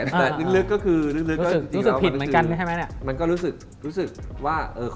แต่ลึกก็คือรู้สึก